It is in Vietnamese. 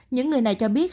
những người này cho biết